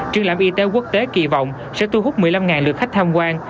triển lãm y tế quốc tế kỳ vọng sẽ thu hút một mươi năm lượt khách tham quan